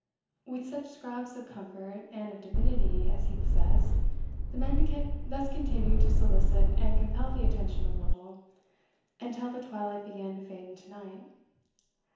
With such scraps of comfort and of divinity as he possessed, the mendicant thus continued to solicit and compel the attention of Lovel, until the twilight began to fade into night.